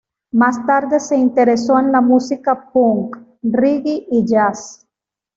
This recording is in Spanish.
Más tarde se interesó en la música Punk, Reggae y jazz.